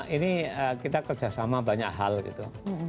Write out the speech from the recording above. ini kita kerjasama banyak hal gitu